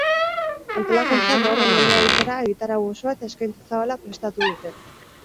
Antolakuntzak gaur eman du aditzera egitarau osoa eta eskaintza zabala prestatu dute.